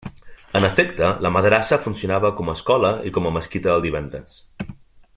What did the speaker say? En efecte, la madrassa funcionava com a escola i com a mesquita del divendres.